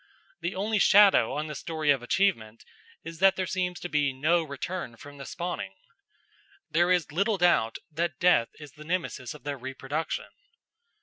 The only shadow on the story of achievement is that there seems to be no return from the spawning. There is little doubt that death is the nemesis of their reproduction.